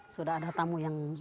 sudah ada tamu yang